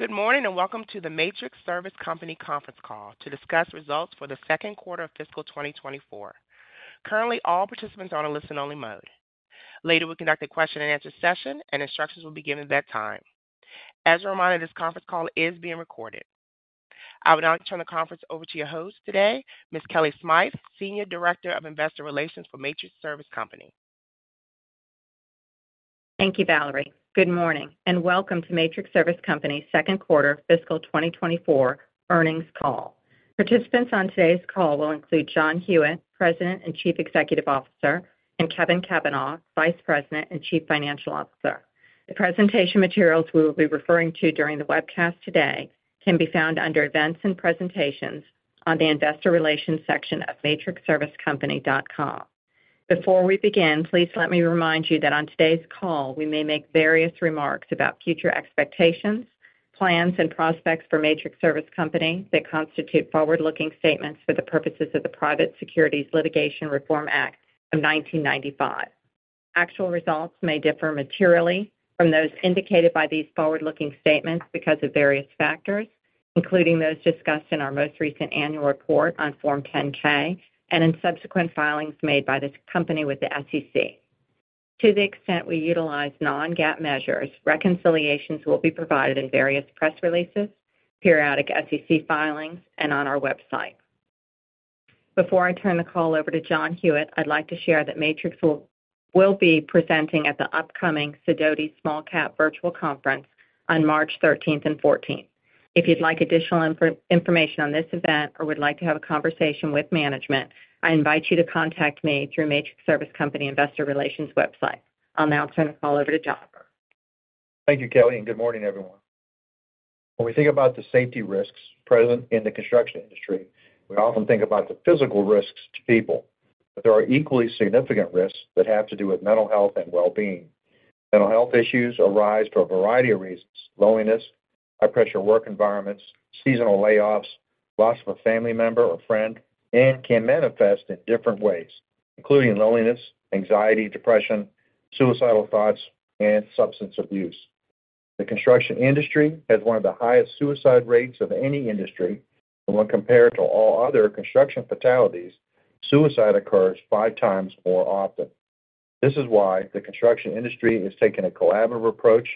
Good morning, and welcome to the Matrix Service Company conference call to discuss results for the second quarter of fiscal 2024. Currently, all participants are on a listen-only mode. Later, we'll conduct a question-and-answer session, and instructions will be given at that time. As a reminder, this conference call is being recorded. I would now like to turn the conference over to your host today, Ms. Kellie Smythe, Senior Director of Investor Relations for Matrix Service Company. Thank you, Valerie. Good morning, and welcome to Matrix Service Company's second quarter fiscal 2024 earnings call. Participants on today's call will include John Hewitt, President and Chief Executive Officer; and Kevin Cavanah, Vice President and Chief Financial Officer. The presentation materials we will be referring to during the webcast today can be found under Events and Presentations on the Investor Relations section of matrixservicecompany.com. Before we begin, please let me remind you that on today's call, we may make various remarks about future expectations, plans, and prospects for Matrix Service Company that constitute forward-looking statements for the purposes of the Private Securities Litigation Reform Act of 1995. Actual results may differ materially from those indicated by these forward-looking statements because of various factors, including those discussed in our most recent annual report on Form 10-K and in subsequent filings made by this company with the SEC. To the extent we utilize non-GAAP measures, reconciliations will be provided in various press releases, periodic SEC filings, and on our website. Before I turn the call over to John Hewitt, I'd like to share that Matrix will be presenting at the upcoming Sidoti Small Cap Virtual Conference on March 13 and 14. If you'd like additional information on this event or would like to have a conversation with management, I invite you to contact me through Matrix Service Company Investor Relations website. I'll now turn the call over to John. Thank you, Kellie, and good morning, everyone. When we think about the safety risks present in the construction industry, we often think about the physical risks to people, but there are equally significant risks that have to do with mental health and well-being. Mental health issues arise for a variety of reasons: loneliness, high-pressure work environments, seasonal layoffs, loss of a family member or friend, and can manifest in different ways, including loneliness, anxiety, depression, suicidal thoughts, and substance abuse. The construction industry has one of the highest suicide rates of any industry, and when compared to all other construction fatalities, suicide occurs five times more often. This is why the construction industry has taken a collaborative approach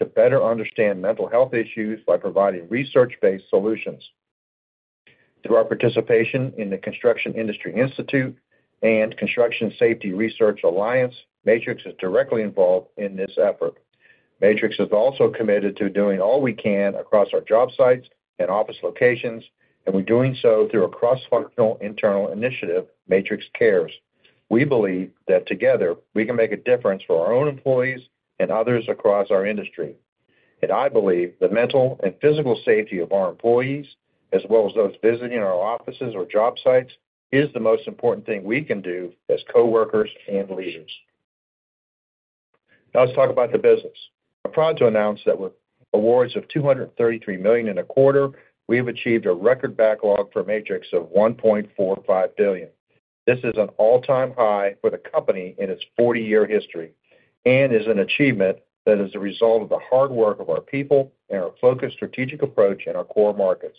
to better understand mental health issues by providing research-based solutions. Through our participation in the Construction Industry Institute and Construction Safety Research Alliance, Matrix is directly involved in this effort. Matrix is also committed to doing all we can across our job sites and office locations, and we're doing so through a cross-functional internal initiative, Matrix Cares. We believe that together, we can make a difference for our own employees and others across our industry. And I believe the mental and physical safety of our employees, as well as those visiting our offices or job sites, is the most important thing we can do as coworkers and leaders. Now let's talk about the business. I'm proud to announce that with awards of $233 million in a quarter, we have achieved a record backlog for Matrix of $1.45 billion. This is an all-time high for the company in its 40-year history and is an achievement that is a result of the hard work of our people and our focused strategic approach in our core markets.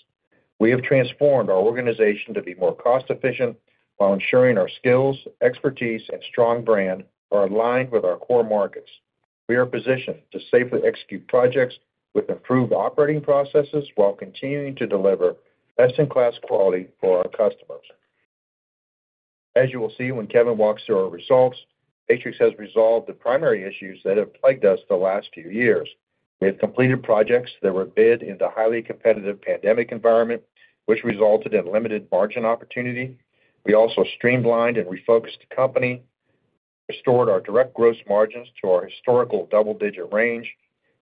We have transformed our organization to be more cost-efficient while ensuring our skills, expertise, and strong brand are aligned with our core markets. We are positioned to safely execute projects with improved operating processes while continuing to deliver best-in-class quality for our customers. As you will see when Kevin walks through our results, Matrix has resolved the primary issues that have plagued us the last few years. We have completed projects that were bid in the highly competitive pandemic environment, which resulted in limited margin opportunity. We also streamlined and refocused the company, restored our direct gross margins to our historical double-digit range,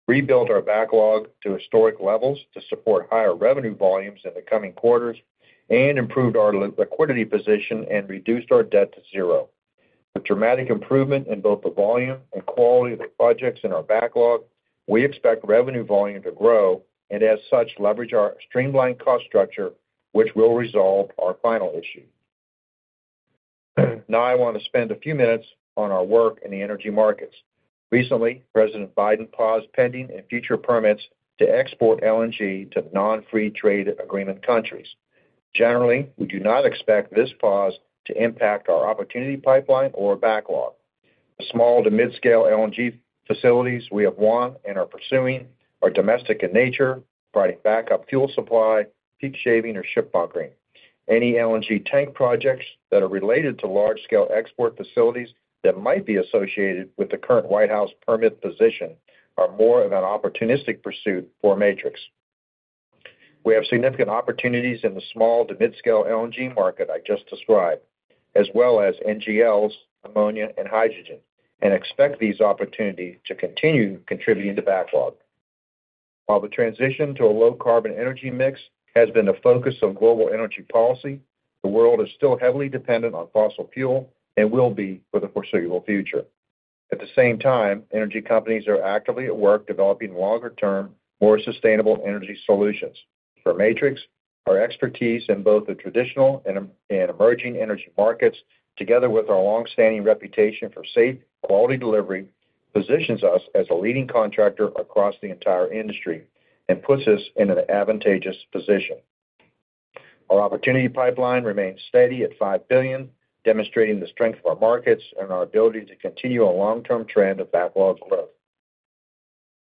rebuilt our backlog to historic levels to support higher revenue volumes in the coming quarters, and improved our liquidity position and reduced our debt to zero. The dramatic improvement in both the volume and quality of the projects in our backlog. We expect revenue volume to grow and, as such, leverage our streamlined cost structure, which will resolve our final issue. Now, I want to spend a few minutes on our work in the energy markets. Recently, President Biden paused pending and future permits to export LNG to non-free trade agreement countries. Generally, we do not expect this pause to impact our opportunity pipeline or backlog. The small to mid-scale LNG facilities we have won and are pursuing are domestic in nature, providing backup fuel supply, peak shaving, or ship bunkering. Any LNG tank projects that are related to large-scale export facilities that might be associated with the current White House permit position are more of an opportunistic pursuit for Matrix. We have significant opportunities in the small to mid-scale LNG market I just described, as well as NGLs, ammonia, and hydrogen, and expect these opportunities to continue contributing to backlog. While the transition to a low-carbon energy mix has been the focus of global energy policy, the world is still heavily dependent on fossil fuel and will be for the foreseeable future. At the same time, energy companies are actively at work developing longer-term, more sustainable energy solutions for Matrix, our expertise in both the traditional and emerging energy markets, together with our long-standing reputation for safe, quality delivery, positions us as a leading contractor across the entire industry and puts us in an advantageous position. Our opportunity pipeline remains steady at $5 billion, demonstrating the strength of our markets and our ability to continue a long-term trend of backlog growth.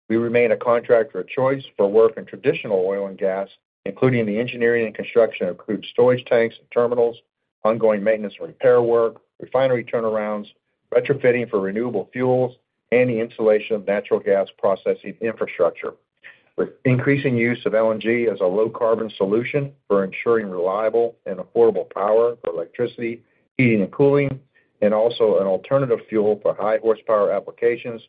We remain a contractor of choice for work in traditional oil and gas, including the engineering and construction of crude storage tanks and terminals, ongoing maintenance and repair work, refinery turnarounds, retrofitting for renewable fuels, and the installation of natural gas processing infrastructure. With increasing use of LNG as a low-carbon solution for ensuring reliable and affordable power for electricity, heating, and cooling, and also an alternative fuel for high-horsepower applications,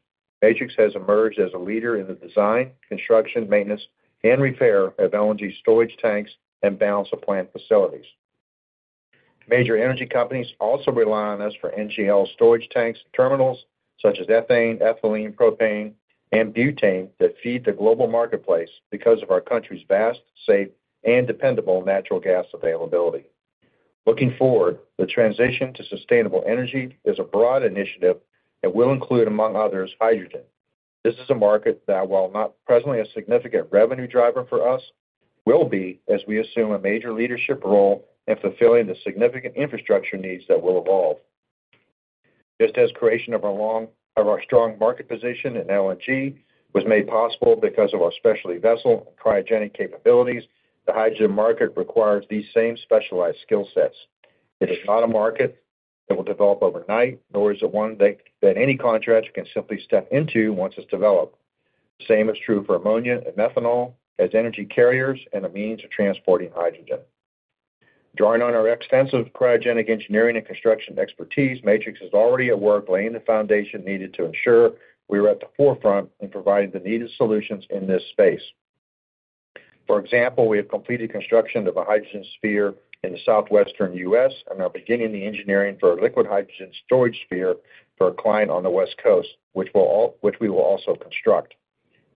Matrix has emerged as a leader in the design, construction, maintenance, and repair of LNG storage tanks and balance of plant facilities. Major energy companies also rely on us for NGL storage tanks and terminals, such as ethane, ethylene, propane, and butane, that FEED the global marketplace because of our country's vast, safe, and dependable natural gas availability. Looking forward, the transition to sustainable energy is a broad initiative that will include, among others, hydrogen. This is a market that, while not presently a significant revenue driver for us, will be as we assume a major leadership role in fulfilling the significant infrastructure needs that will evolve. Just as creation of our strong market position in LNG was made possible because of our specialty vessel and cryogenic capabilities, the hydrogen market requires these same specialized skill sets. It is not a market that will develop overnight, nor is it one that any contractor can simply step into once it's developed. The same is true for ammonia and methanol as energy carriers and a means of transporting hydrogen. Drawing on our extensive cryogenic engineering and construction expertise, Matrix is already at work laying the foundation needed to ensure we are at the forefront in providing the needed solutions in this space. For example, we have completed construction of a hydrogen sphere in the southwestern U.S. and are beginning the engineering for a liquid hydrogen storage sphere for a client on the West Coast, which we will also construct.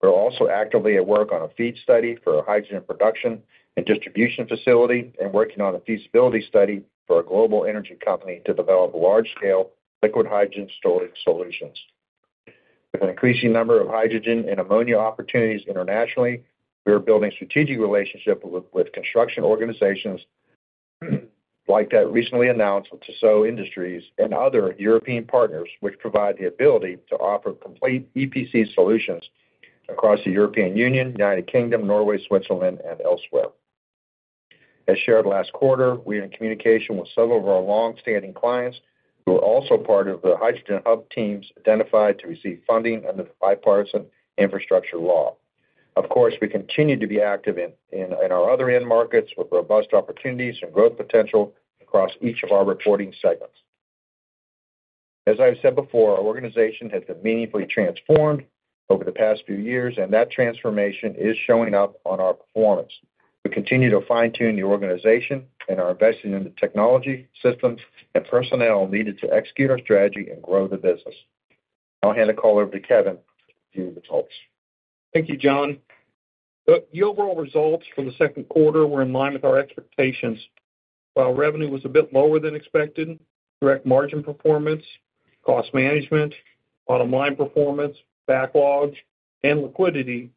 We're also actively at work on a FEED study for a hydrogen production and distribution facility and working on a feasibility study for a global energy company to develop large-scale liquid hydrogen storage solutions. With an increasing number of hydrogen and ammonia opportunities internationally, we are building strategic relationships with construction organizations, like that recently announced with TISSOT Industrie and other European partners, which provide the ability to offer complete EPC solutions across the European Union, United Kingdom, Norway, Switzerland, and elsewhere. As shared last quarter, we are in communication with several of our long-standing clients who are also part of the hydrogen hub teams identified to receive funding under the Bipartisan Infrastructure Law. Of course, we continue to be active in our other end markets, with robust opportunities and growth potential across each of our reporting segments. As I've said before, our organization has been meaningfully transformed over the past few years, and that transformation is showing up on our performance. We continue to fine-tune the organization and are investing in the technology, systems, and personnel needed to execute our strategy and grow the business. Now I'll hand the call over to Kevin to review the results. Thank you, John. Look, the overall results from the second quarter were in line with our expectations. While revenue was a bit lower than expected, direct margin performance, cost management, bottom line performance, backlog, and liquidity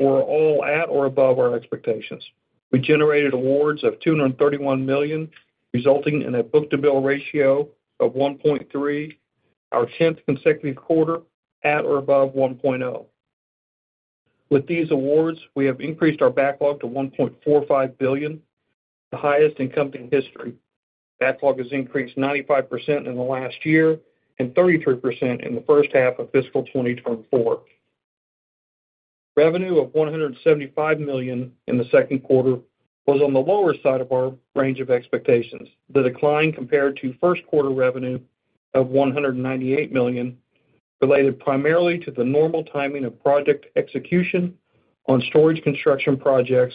were all at or above our expectations. We generated awards of $231 million, resulting in a book-to-bill ratio of 1.3, our tenth consecutive quarter at or above 1.0. With these awards, we have increased our backlog to $1.45 billion, the highest in company history. Backlog has increased 95% in the last year and 33% in the first half of fiscal 2024. Revenue of $175 million in the second quarter was on the lower side of our range of expectations. The decline compared to first quarter revenue of $198 million, related primarily to the normal timing of project execution on storage construction projects,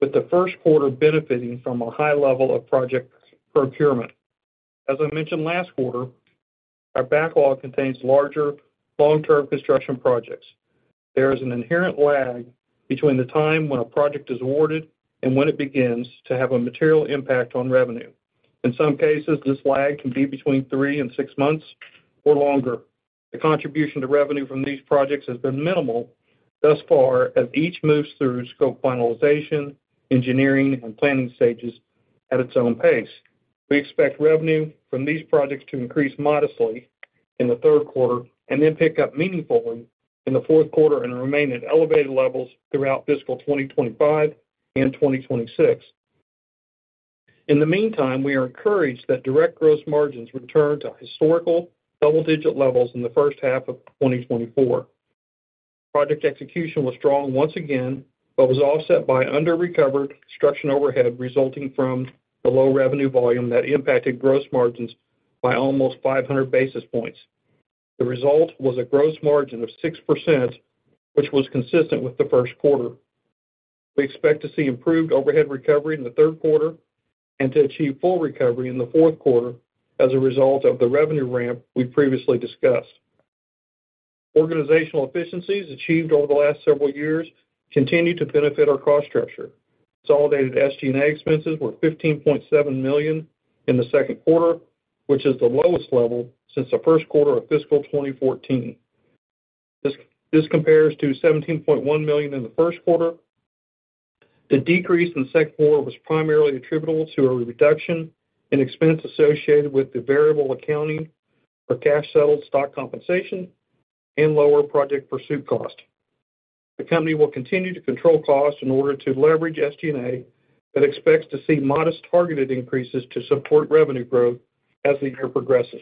with the first quarter benefiting from a high level of project procurement. As I mentioned last quarter, our backlog contains larger, long-term construction projects. There is an inherent lag between the time when a project is awarded and when it begins to have a material impact on revenue. In some cases, this lag can be between three and six months or longer. The contribution to revenue from these projects has been minimal thus far, as each moves through scope finalization, engineering, and planning stages at its own pace. We expect revenue from these projects to increase modestly in the third quarter and then pick up meaningfully in the fourth quarter and remain at elevated levels throughout fiscal 2025 and 2026. In the meantime, we are encouraged that direct gross margins returned to historical double-digit levels in the first half of 2024. Project execution was strong once again, but was offset by underrecovered construction overhead, resulting from the low revenue volume that impacted gross margins by almost 500 basis points. The result was a gross margin of 6%, which was consistent with the first quarter. We expect to see improved overhead recovery in the third quarter and to achieve full recovery in the fourth quarter as a result of the revenue ramp we previously discussed. Organizational efficiencies achieved over the last several years continue to benefit our cost structure. Consolidated SG&A expenses were $15.7 million in the second quarter, which is the lowest level since the first quarter of fiscal 2014. This compares to $17.1 million in the first quarter. The decrease in the second quarter was primarily attributable to a reduction in expense associated with the variable accounting for cash-settled stock compensation and lower project pursuit cost. The company will continue to control costs in order to leverage SG&A, but expects to see modest targeted increases to support revenue growth as the year progresses.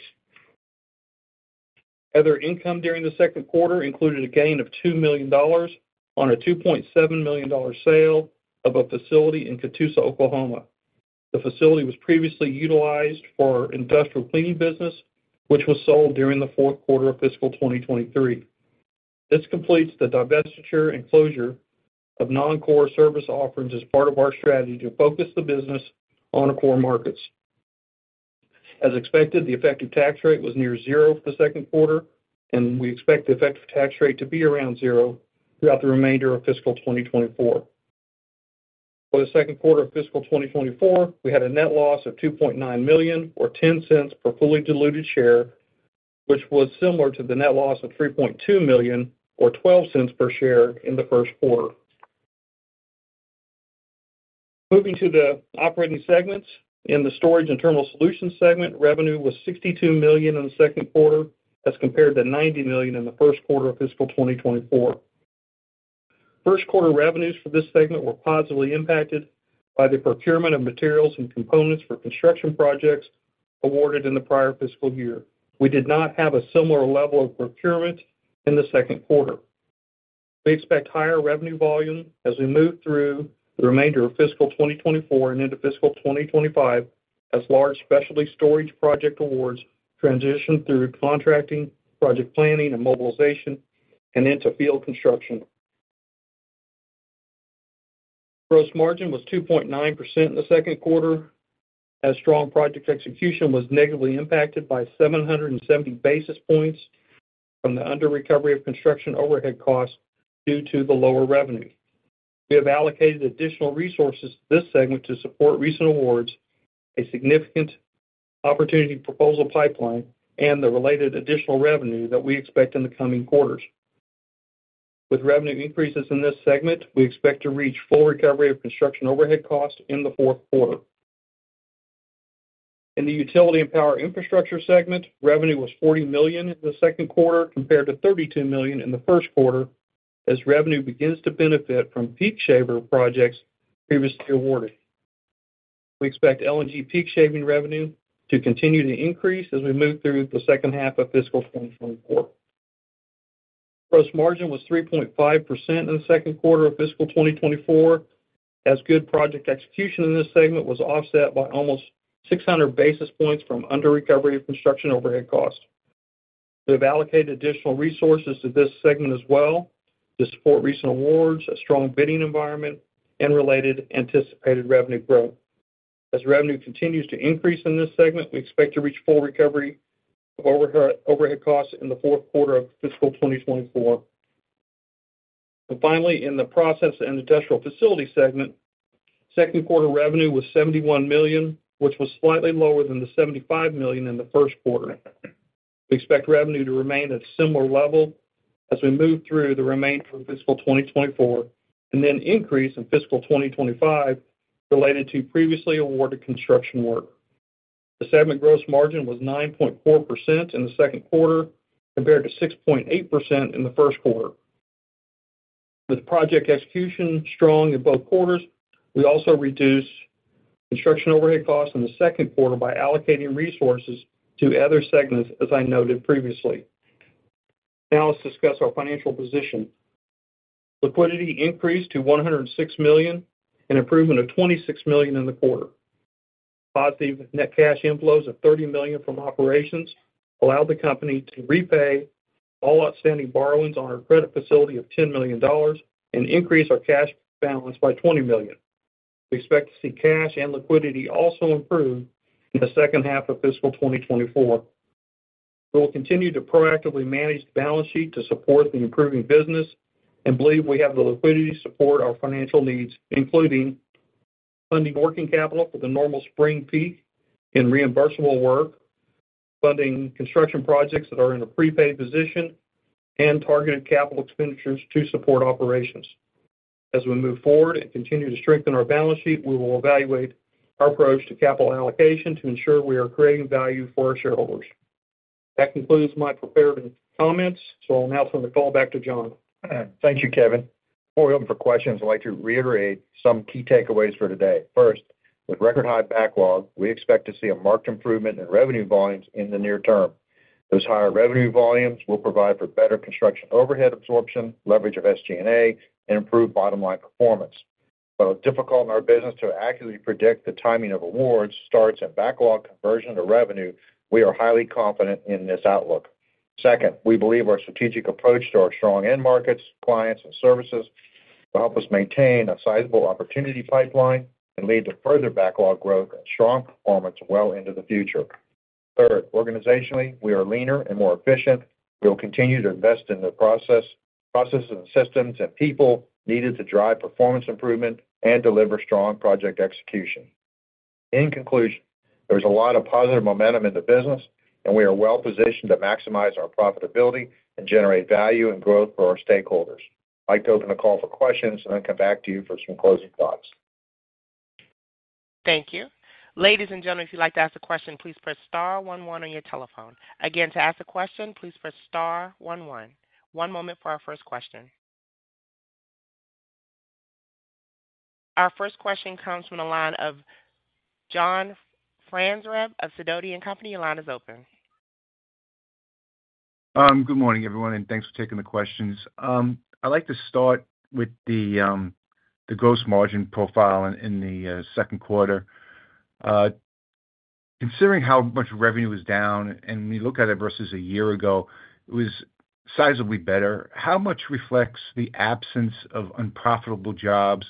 Other income during the second quarter included a gain of $2 million on a $2.7 million sale of a facility in Catoosa, Oklahoma. The facility was previously utilized for our industrial cleaning business, which was sold during the fourth quarter of fiscal 2023. This completes the divestiture and closure of non-core service offerings as part of our strategy to focus the business on our core markets. As expected, the effective tax rate was near zero for the second quarter, and we expect the effective tax rate to be around zero throughout the remainder of fiscal 2024. For the second quarter of fiscal 2024, we had a net loss of $2.9 million, or $0.10 per fully diluted share, which was similar to the net loss of $3.2 million, or $0.12 per share in the first quarter. Moving to the operating segments. In the Storage and Terminal Solutions segment, revenue was $62 million in the second quarter, as compared to $90 million in the first quarter of fiscal 2024. First quarter revenues for this segment were positively impacted by the procurement of materials and components for construction projects awarded in the prior fiscal year. We did not have a similar level of procurement in the second quarter. We expect higher revenue volume as we move through the remainder of fiscal 2024 and into fiscal 2025, as large specialty storage project awards transition through contracting, project planning and mobilization, and into field construction. Gross margin was 2.9% in the second quarter, as strong project execution was negatively impacted by 770 basis points from the under recovery of construction overhead costs due to the lower revenue. We have allocated additional resources to this segment to support recent awards, a significant opportunity proposal pipeline, and the related additional revenue that we expect in the coming quarters. With revenue increases in this segment, we expect to reach full recovery of construction overhead costs in the fourth quarter. In the Utility and Power Infrastructure segment, revenue was $40 million in the second quarter, compared to $32 million in the first quarter, as revenue begins to benefit from peak shaver projects previously awarded. We expect LNG peak shaving revenue to continue to increase as we move through the second half of fiscal 2024. Gross margin was 3.5% in the second quarter of fiscal 2024, as good project execution in this segment was offset by almost 600 basis points from under recovery of construction overhead costs. We have allocated additional resources to this segment as well to support recent awards, a strong bidding environment, and related anticipated revenue growth. As revenue continues to increase in this segment, we expect to reach full recovery of overhead, overhead costs in the fourth quarter of fiscal 2024. Finally, in the Process and Industrial Facilities segment, second quarter revenue was $71 million, which was slightly lower than the $75 million in the first quarter. We expect revenue to remain at a similar level as we move through the remainder of fiscal 2024, and then increase in fiscal 2025 related to previously awarded construction work. The segment gross margin was 9.4% in the second quarter, compared to 6.8% in the first quarter. With project execution strong in both quarters, we also reduced construction overhead costs in the second quarter by allocating resources to other segments, as I noted previously. Now let's discuss our financial position. Liquidity increased to $106 million, an improvement of $26 million in the quarter. Positive net cash inflows of $30 million from operations allowed the company to repay all outstanding borrowings on our credit facility of $10 million and increase our cash balance by $20 million. We expect to see cash and liquidity also improve in the second half of fiscal 2024. We will continue to proactively manage the balance sheet to support the improving business and believe we have the liquidity to support our financial needs, including funding working capital for the normal spring peak in reimbursable work, funding construction projects that are in a prepaid position, and targeted capital expenditures to support operations. As we move forward and continue to strengthen our balance sheet, we will evaluate our approach to capital allocation to ensure we are creating value for our shareholders. That concludes my prepared comments. I'll now turn the call back to John. Thank you, Kevin. Before we open for questions, I'd like to reiterate some key takeaways for today. First, with record-high backlog, we expect to see a marked improvement in revenue volumes in the near term. Those higher revenue volumes will provide for better construction overhead absorption, leverage of SG&A, and improved bottom-line performance. While difficult in our business to accurately predict the timing of awards, starts, and backlog conversion to revenue, we are highly confident in this outlook. Second, we believe our strategic approach to our strong end markets, clients, and services,... to help us maintain a sizable opportunity pipeline and lead to further backlog growth and strong performance well into the future. Third, organizationally, we are leaner and more efficient. We will continue to invest in the process, processes, and systems and people needed to drive performance improvement and deliver strong project execution. In conclusion, there's a lot of positive momentum in the business, and we are well positioned to maximize our profitability and generate value and growth for our stakeholders. I'd like to open the call for questions and then come back to you for some closing thoughts. Thank you. Ladies and gentlemen, if you'd like to ask a question, please press star one, one on your telephone. Again, to ask a question, please press star one, one. One moment for our first question. Our first question comes from the line of John Franzreb of Sidoti & Company. Your line is open. Good morning, everyone, and thanks for taking the questions. I'd like to start with the gross margin profile in the second quarter. Considering how much revenue is down, and when you look at it versus a year ago, it was sizably better. How much reflects the absence of unprofitable jobs,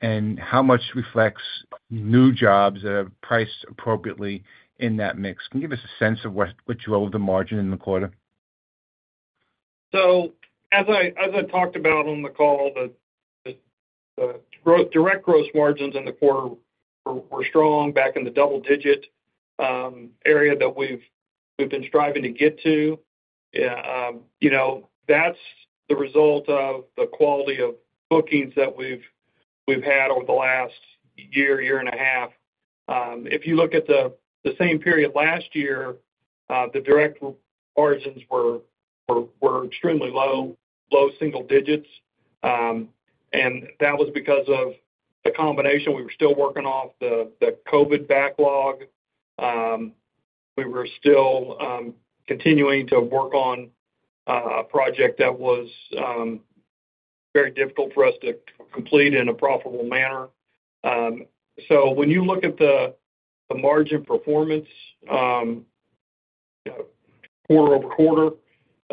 and how much reflects new jobs that are priced appropriately in that mix? Can you give us a sense of what drove the margin in the quarter? So as I talked about on the call, the growth, direct gross margins in the quarter were strong, back in the double-digit area that we've been striving to get to. Yeah, you know, that's the result of the quality of bookings that we've had over the last year and a half. If you look at the same period last year, the direct margins were extremely low, low single digits. And that was because of the combination. We were still working off the COVID backlog. We were still continuing to work on a project that was very difficult for us to complete in a profitable manner. So when you look at the margin performance, you know,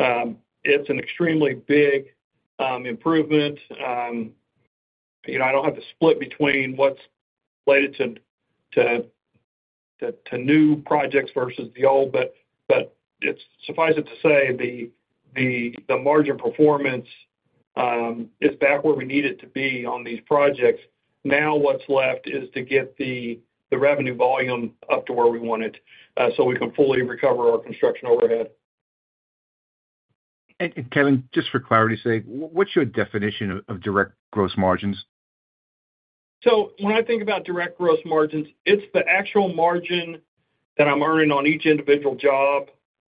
quarter-over-quarter, it's an extremely big improvement. You know, I don't have the split between what's related to new projects versus the old, but it's suffice it to say, the margin performance is back where we need it to be on these projects. Now what's left is to get the revenue volume up to where we want it, so we can fully recover our construction overhead. Kevin, just for clarity's sake, what's your definition of direct gross margins? So when I think about direct gross margins, it's the actual margin that I'm earning on each individual job.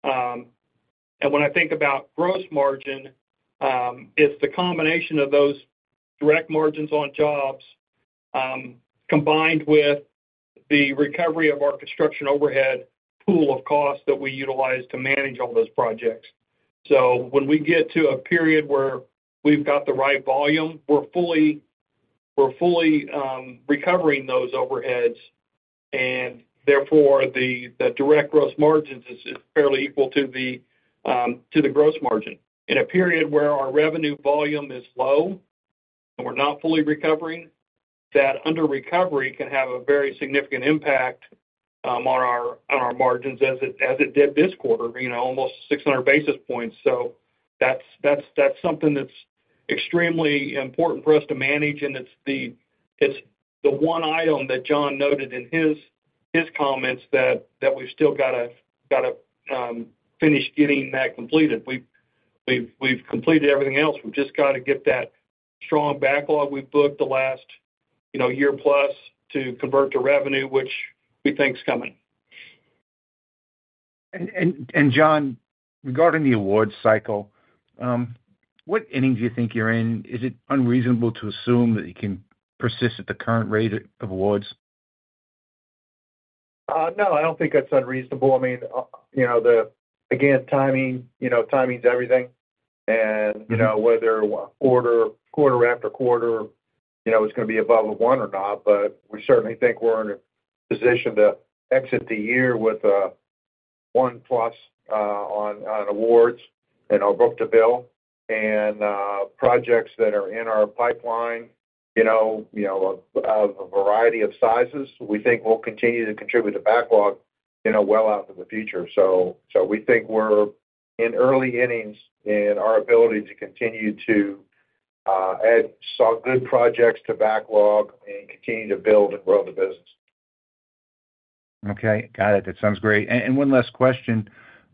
And when I think about gross margin, it's the combination of those direct margins on jobs, combined with the recovery of our construction overhead pool of costs that we utilize to manage all those projects. So when we get to a period where we've got the right volume, we're fully recovering those overheads, and therefore, the direct gross margins is fairly equal to the gross margin. In a period where our revenue volume is low, and we're not fully recovering, that underrecovery can have a very significant impact on our margins as it did this quarter, you know, almost 600 basis points. So that's something that's extremely important for us to manage, and it's the one item that John noted in his comments that we've still gotta finish getting that completed. We've completed everything else. We've just got to get that strong backlog we've booked the last, you know, year plus to convert to revenue, which we think is coming. John, regarding the award cycle, what inning do you think you're in? Is it unreasonable to assume that you can persist at the current rate of awards? No, I don't think that's unreasonable. I mean, you know, again, timing, you know, timing is everything. And, you know, whether quarter after quarter, you know, it's gonna be above the 1 or not, but we certainly think we're in a position to exit the year with a 1+, on awards in our book-to-bill. And, projects that are in our pipeline, you know, you know, of a variety of sizes, we think will continue to contribute to backlog, you know, well out in the future. So, we think we're in early innings in our ability to continue to add some good projects to backlog and continue to build and grow the business. Okay, got it. That sounds great. And one last question.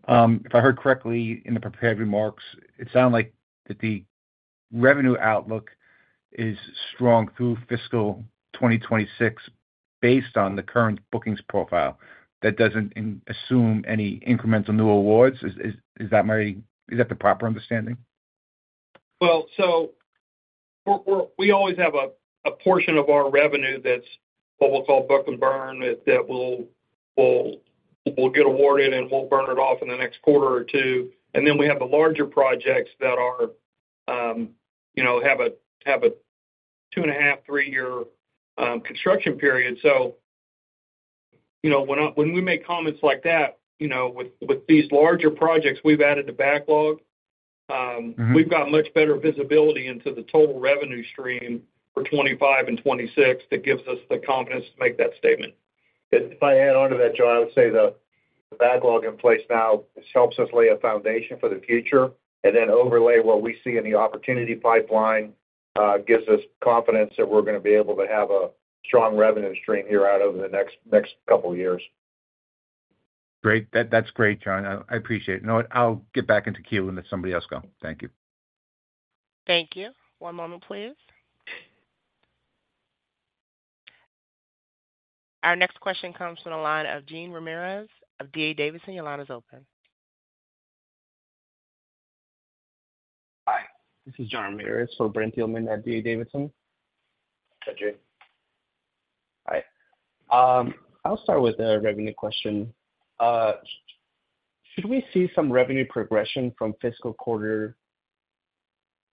If I heard correctly in the prepared remarks, it sounded like the revenue outlook is strong through fiscal 2026 based on the current bookings profile. That doesn't assume any incremental new awards. Is that my, is that the proper understanding? Well, so we always have a portion of our revenue that's what we'll call book and burn, that we'll get awarded, and we'll burn it off in the next quarter or two. And then we have the larger projects that are, you know, have a two and a half, three year construction period. You know, when we make comments like that, you know, with these larger projects we've added to backlog we've got much better visibility into the total revenue stream for 2025 and 2026. That gives us the confidence to make that statement. If I add on to that, John, I would say the backlog in place now helps us lay a foundation for the future, and then overlay what we see in the opportunity pipeline, gives us confidence that we're going to be able to have a strong revenue stream here out over the next couple of years. Great. That's great, John. I appreciate it. You know what? I'll get back into queue and let somebody else go. Thank you. Thank you. One moment, please. Our next question comes from the line of Jean Ramirez of D.A. Davidson. Your line is open. Hi, this is Jean Ramirez for Brent Thielman at D.A. Davidson. Hi, Jean. Hi. I'll start with a revenue question. Should we see some revenue progression from fiscal quarter,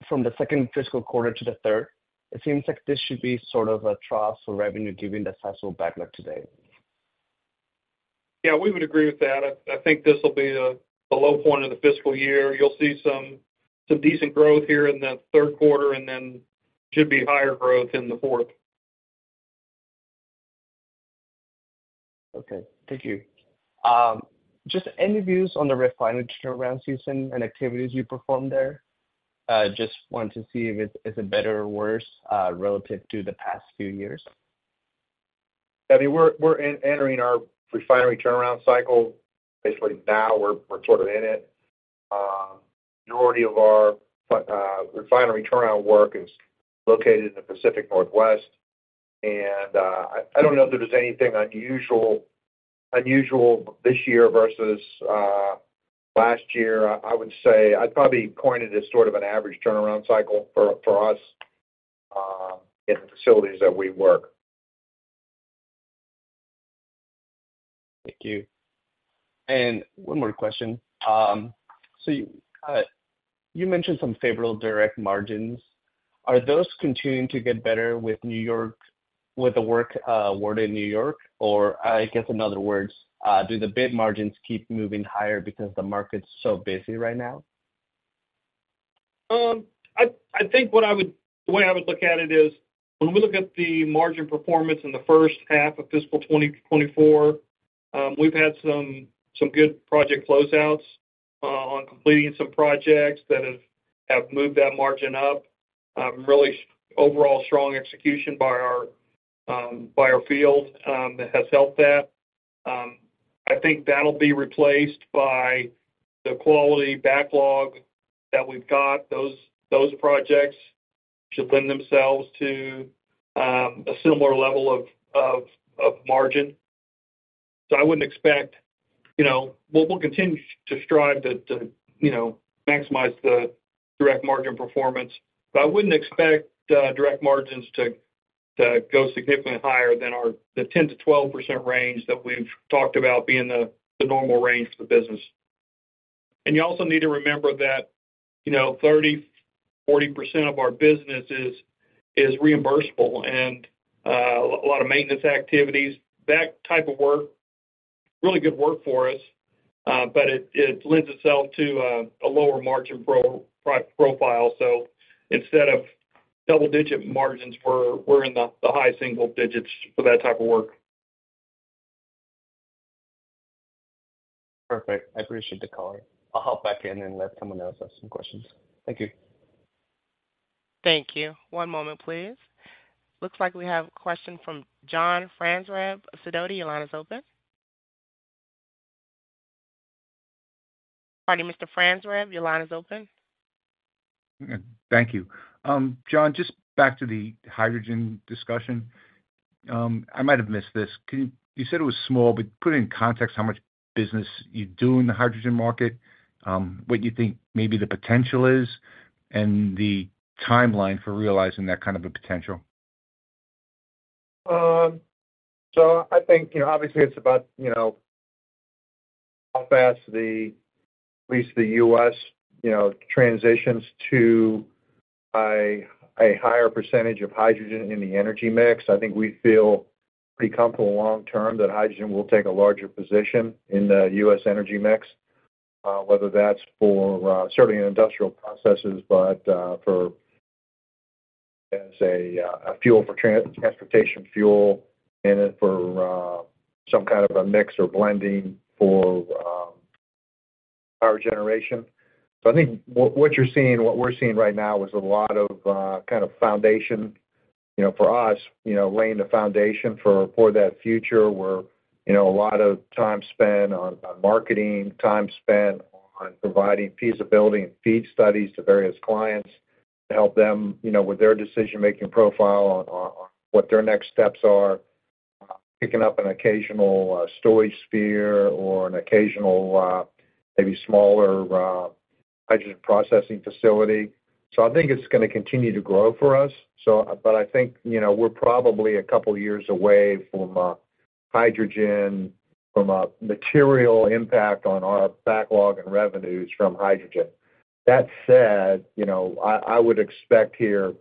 from the second fiscal quarter to the third? It seems like this should be sort of a trough for revenue, given the sizable backlog today. Yeah, we would agree with that. I think this will be the low point of the fiscal year. You'll see some decent growth here in the third quarter, and then should be higher growth in the fourth. Okay, thank you. Just any views on the refinery turnaround season and activities you perform there? Just want to see if it's better or worse relative to the past few years. I mean, we're entering our refinery turnaround cycle. Basically now, we're sort of in it. Majority of our refinery turnaround work is located in the Pacific Northwest, and I don't know that there's anything unusual this year versus last year. I would say, I'd probably point it as sort of an average turnaround cycle for us in the facilities that we work. Thank you. And one more question. So, you mentioned some favorable direct margins. Are those continuing to get better with New York, with the work award in New York, or I guess in other words, do the bid margins keep moving higher because the market's so busy right now? I think the way I would look at it is, when we look at the margin performance in the first half of fiscal 2024, we've had some good project closeouts on completing some projects that have moved that margin up. Really overall strong execution by our field has helped that. I think that'll be replaced by the quality backlog that we've got. Those projects should lend themselves to a similar level of margin. So I wouldn't expect, you know. We'll continue to strive to, you know, maximize the direct margin performance, but I wouldn't expect direct margins to go significantly higher than the 10%-12% range that we've talked about being the normal range for the business. You also need to remember that, you know, 30%-40% of our business is reimbursable and a lot of maintenance activities. That type of work, really good work for us, but it lends itself to a lower margin profile. So instead of double-digit margins, we're in the high single digits for that type of work. Perfect. I appreciate the call. I'll hop back in and let someone else ask some questions. Thank you. Thank you. One moment, please. Looks like we have a question from John Franzreb of Sidoti. Your line is open. Pardon me, Mr. Franzreb, your line is open. Thank you. John, just back to the hydrogen discussion. I might have missed this. Can you—you said it was small, but put it in context, how much business you do in the hydrogen market, what you think maybe the potential is, and the timeline for realizing that kind of a potential? So I think, you know, obviously it's about, you know, how fast the, at least the U.S., you know, transitions to a higher percentage of hydrogen in the energy mix. I think we feel pretty comfortable long term that hydrogen will take a larger position in the U.S. energy mix, whether that's for certainly in industrial processes, but for, as a fuel for transportation fuel and then for some kind of a mix or blending for power generation. So, I think what you're seeing, what we're seeing right now, is a lot of kind of foundation, you know, for us, you know, laying the foundation for that future, where, you know, a lot of time spent on marketing, time spent on providing feasibility and FEED studies to various clients to help them, you know, with their decision-making profile on what their next steps are, picking up an occasional storage sphere or an occasional maybe smaller hydrogen processing facility. So, I think it's going to continue to grow for us. But I think, you know, we're probably a couple of years away from hydrogen, from a material impact on our backlog and revenues from hydrogen. That said, you know, I would expect here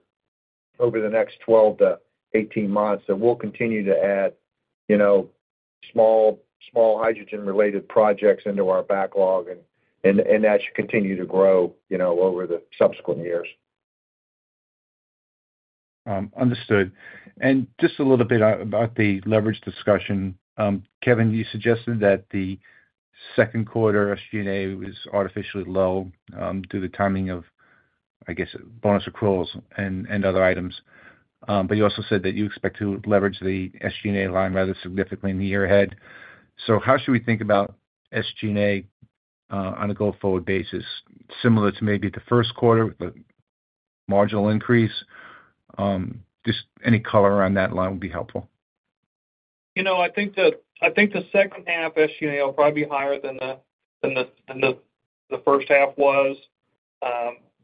over the next 12-18 months. So we'll continue to add, you know, small, small hydrogen-related projects into our backlog, and, and, and that should continue to grow, you know, over the subsequent years. Understood. And just a little bit about the leverage discussion. Kevin, you suggested that the second quarter SG&A was artificially low due to the timing of, I guess, bonus accruals and other items. But you also said that you expect to leverage the SG&A line rather significantly in the year ahead. So how should we think about SG&A on a go-forward basis, similar to maybe the first quarter, with a marginal increase? Just any color on that line would be helpful. You know, I think the second half SG&A will probably be higher than the first half was.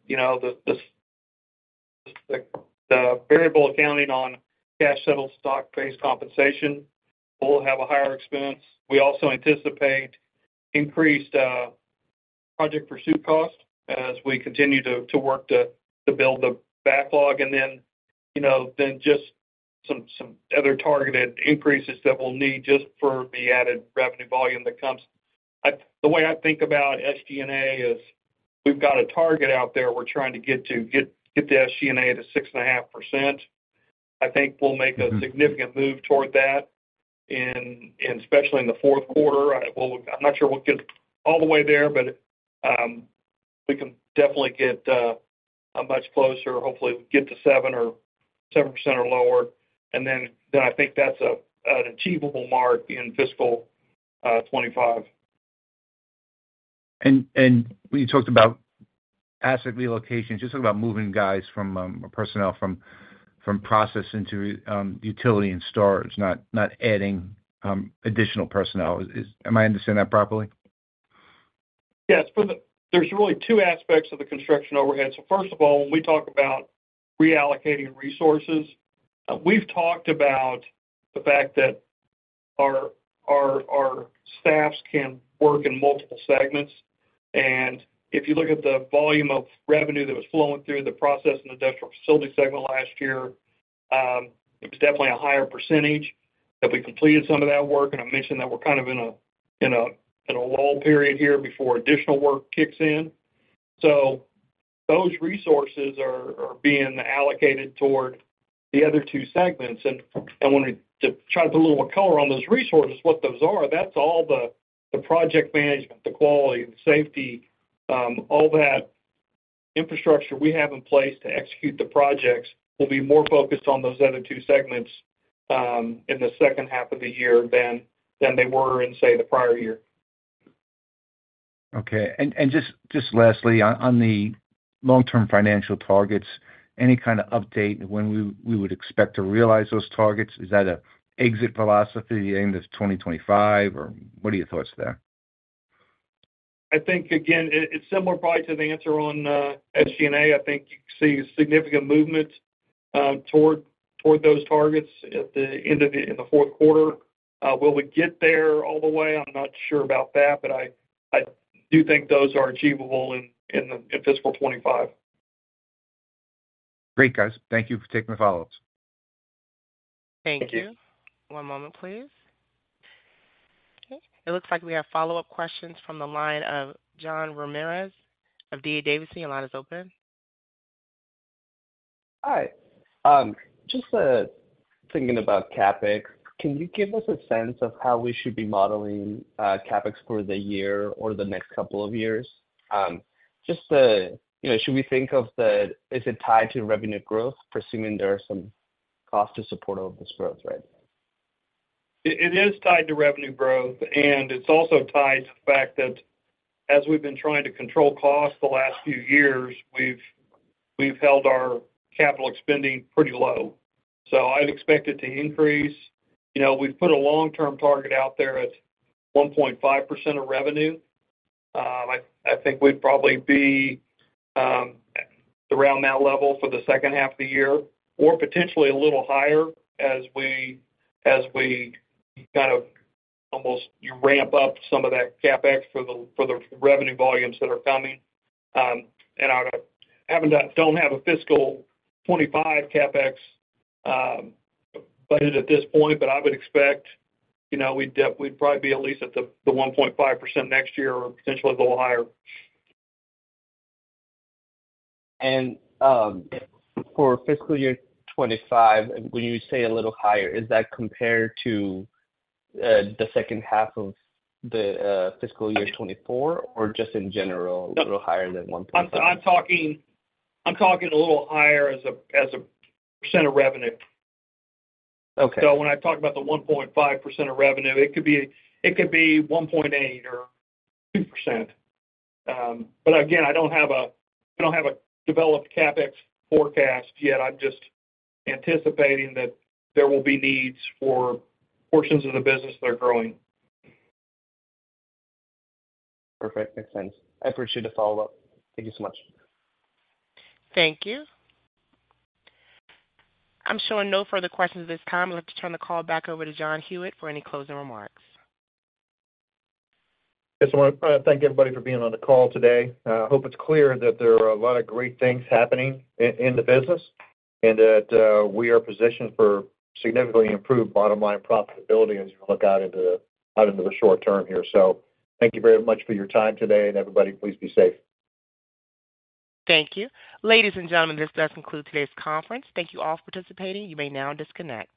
You know, the variable accounting on cash settle stock-based compensation will have a higher expense. We also anticipate increased project pursuit costs as we continue to work to build the backlog, and then, you know, then just some other targeted increases that we'll need just for the added revenue volume that comes. The way I think about SG&A is we've got a target out there we're trying to get to the SG&A to 6.5%. I think we'll make a significant move toward that in, especially in the fourth quarter. Well, I'm not sure we'll get all the way there, but we can definitely get much closer. Hopefully, we get to 7% or 7% or lower, and then, then I think that's an achievable mark in fiscal 25. You talked about asset relocations. Just about moving guys from or personnel from process into utility and storage, not adding additional personnel. Am I understanding that properly? Yes. There's really two aspects of the construction overhead. So first of all, when we talk about reallocating resources, we've talked about the fact that our staffs can work in multiple segments. And if you look at the volume of revenue that was flowing through the process in the industrial facility segment last year, it was definitely a higher percentage that we completed some of that work. And I mentioned that we're kind of in a lull period here before additional work kicks in. So those resources are being allocated toward the other two segments. And I wanted to try to put a little more color on those resources, what those are. That's all the project management, the quality, the safety, all that infrastructure we have in place to execute the projects will be more focused on those other two segments, in the second half of the year than they were in, say, the prior year. Okay. And just lastly, on the long-term financial targets, any kind of update on when we would expect to realize those targets? Is that an exit philosophy aimed at 2025, or what are your thoughts there? I think, again, it's similar probably to the answer on SG&A. I think you see significant movement toward those targets at the end of the fourth quarter. Will we get there all the way? I'm not sure about that, but I do think those are achievable in fiscal 2025. Great, guys. Thank you for taking the follow-ups. Thank you. Thank you. One moment, please. Okay, it looks like we have follow-up questions from the line of Jean Ramirez of D.A. Davidson. Your line is open. Hi. Just thinking about CapEx, can you give us a sense of how we should be modeling CapEx for the year or the next couple of years? Just, you know, should we think of is it tied to revenue growth, presuming there are some costs to support all of this growth, right? It is tied to revenue growth, and it's also tied to the fact that as we've been trying to control costs the last few years, we've held our capital spending pretty low. So I'd expect it to increase. You know, we've put a long-term target out there at 1.5% of revenue. I think we'd probably be around that level for the second half of the year or potentially a little higher as we kind of ramp up some of that CapEx for the revenue volumes that are coming. And I don't have a fiscal 2025 CapEx budget at this point, but I would expect, you know, we'd probably be at least at the 1.5% next year or potentially a little higher. For fiscal year 2025, when you say a little higher, is that compared to the second half of the fiscal year 2024, or just in general? No. A little higher than 1.5? I'm talking a little higher as a percent of revenue. Okay. So when I talk about the 1.5% of revenue, it could be, it could be 1.8% or 2%. But again, I don't have a developed CapEx forecast yet. I'm just anticipating that there will be needs for portions of the business that are growing. Perfect. Makes sense. I appreciate the follow-up. Thank you so much. Thank you. I'm showing no further questions at this time. I'd like to turn the call back over to John Hewitt for any closing remarks. Yes, I want to thank everybody for being on the call today. I hope it's clear that there are a lot of great things happening in the business, and that we are positioned for significantly improved bottom-line profitability as we look out into the short term here. So thank you very much for your time today, and everybody, please be safe. Thank you. Ladies and gentlemen, this does conclude today's conference. Thank you all for participating. You may now disconnect.